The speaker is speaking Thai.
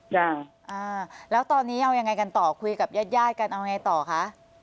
จ้ะอ่าแล้วตอนนี้เอายังไงกันต่อคุยกับญาติญาติกันเอาไงต่อคะ